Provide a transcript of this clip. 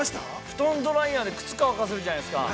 ◆布団ドライヤーで靴が乾かせるじゃないですか。